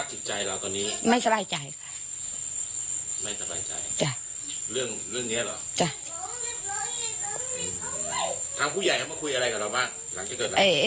ทางผู้ใหญ่เขามาคุยอะไรกับเราบ้างหลังจากเกิดอะไร